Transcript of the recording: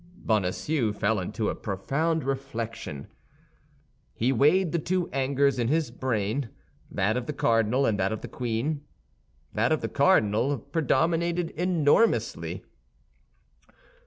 Bonacieux fell into a profound reflection. He weighed the two angers in his brain—that of the cardinal and that of the queen; that of the cardinal predominated enormously.